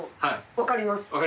分かります？